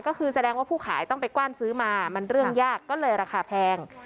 ก็คือแสดงว่าผู้ขายต้องไปกว้านซื้อมามันเรื่องยากก็เลยราคาแพง